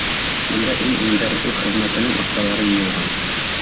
Бында иң-иңдәр, үҙ хеҙмәтенең оҫталары йыйылған.